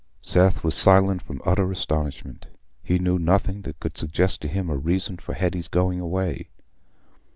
Seth was silent from utter astonishment: he knew nothing that could suggest to him a reason for Hetty's going away.